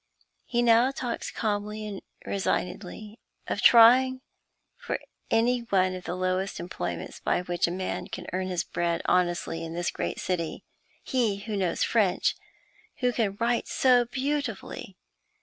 He now talks calmly and resignedly of trying for any one of the lowest employments by which a man can earn his bread honestly in this great city he who knows French, who can write so beautifully!